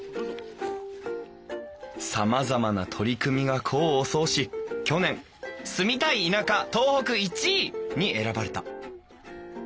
さまざまな取り組みが功を奏し去年住みたい田舎東北１位に選ばれた！